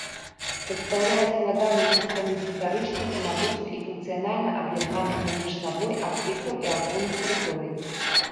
Прадстаўляе складаную сістэму гістарычна, тэматычна і функцыянальна аб'яднаных паміж сабой аб'ектаў і ахоўных тэрыторый.